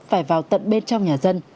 phải vào tận bên trong nhà dân